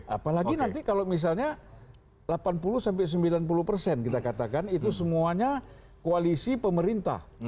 apalagi nanti kalau misalnya delapan puluh sampai sembilan puluh persen kita katakan itu semuanya koalisi pemerintah